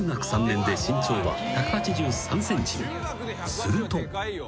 ［すると］